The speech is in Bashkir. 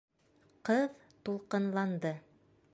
Ҡыҙ тулҡынланды.